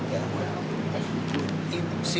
sehingga kemudian terjadi penyakit tersebut